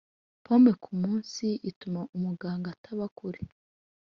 pome kumunsi ituma umuganga ataba kure